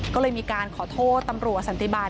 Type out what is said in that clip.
ก็เลยมีการขอโทษตำรวจสันติบาล